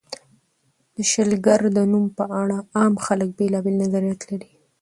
د شلګر د نوم په اړه عام خلک بېلابېل نظریات لري.